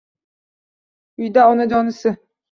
Uyda onajonisi